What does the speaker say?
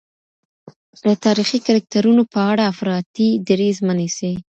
د تاریخي کرکټرونو په اړه افراطي دریځ مه نیسئ.